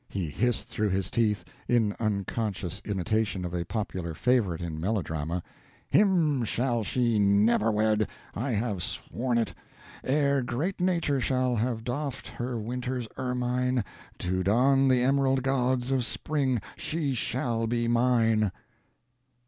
He hissed through his teeth, in unconscious imitation of a popular favorite in melodrama, "Him shall she never wed! I have sworn it! Ere great Nature shall have doffed her winter's ermine to don the emerald gauds of spring, she shall be mine!"